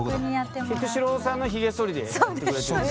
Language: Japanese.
菊紫郎さんのひげ剃りでやってくれたの？